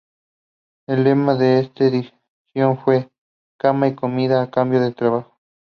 El lema de esta edición fue: ""Cama y comida a cambio de trabajo"".